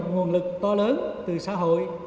nguồn lực to lớn từ xã hội